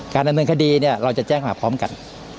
ดำเนินคดีเนี่ยเราจะแจ้งหาพร้อมกัน